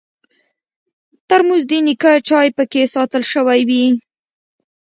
ترموز د نیکه چای پکې ساتل شوی وي.